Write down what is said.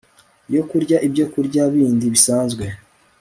yo kurya ibyokurya bindi bisanzwe